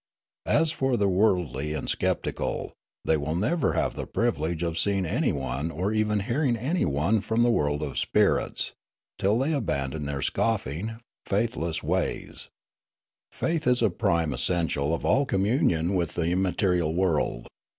As for the worldly and sceptical, they will never have the privilege of see ing anyone or even hearing anyone from the world of Spectralia 337 spirits till they abandon their scoflfing, faithless wa3'S. Faith is a prime essential of all communion with the immaterial world.